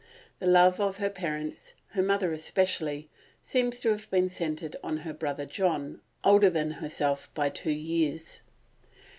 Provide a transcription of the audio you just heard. The love of her parents, her mother especially, seems to have been centred on her brother John, older than herself by two years.